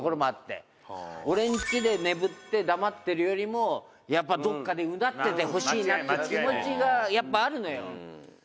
「俺んちで眠って黙ってるよりもやっぱどこかでうなっててほしいなって気持ちがあるのよ」